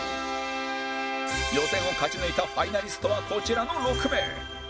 予選を勝ち抜いたファイナリストはこちらの６名